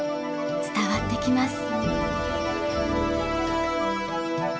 伝わってきます。